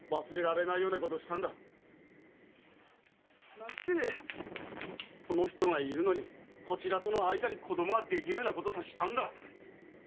なしてこの人がいるのにこちらとの間に子供が出来るようなことさしたんだ？